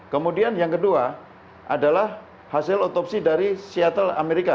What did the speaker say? kemudian yang kedua adalah hasil otopsi dari seattle amerika